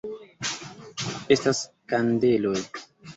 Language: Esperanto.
Estas kandeloj!